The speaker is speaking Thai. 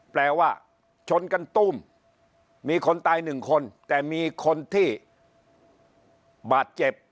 แปลว่าชนกันตุ้มมีคนตายหนึ่งคนแต่มีคนที่บาดเจ็บ